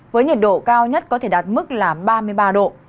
với nhiệt độ cao nhất có thể đạt mức là ba mươi ba độ